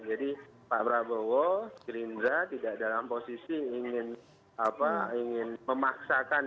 jadi pak prabowo gerindra tidak dalam posisi ingin memaksakan